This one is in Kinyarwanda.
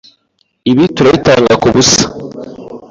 Ibi turabitanga kubusa.